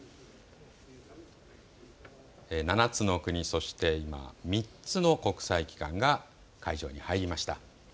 ７つの国、そして今、３つの国際機関が会場に入りました。